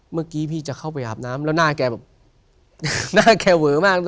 เมื่อกี้พี่จะเข้าไปอาบน้ำแล้วหน้าแกแบบหน้าแคร์เวอมาก